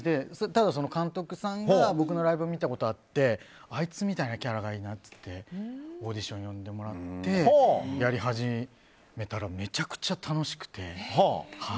ただ、その監督さんが僕のライブを見たことがあってあいつみたいなキャラがいいなって言ってオーディション呼んでもらってやり始めたらめちゃくちゃ楽しくて。